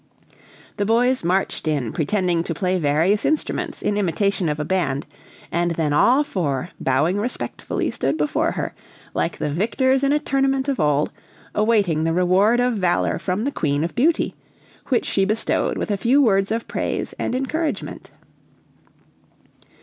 The boys marched in pretending to play various instruments in imitation of a band, and then all four, bowing respectfully, stood before her, like the victors in a tournament of old, awaiting the reward of valor from the Queen of Beauty, which she bestowed with a few words of praise and encouragement.